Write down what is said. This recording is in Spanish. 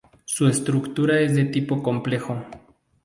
Su estructura es de tipo complejo.